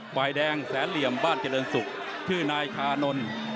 ฝ่ายแดงแสนเหลี่ยมบ้านเจริญศุกร์ชื่อนายชานนท์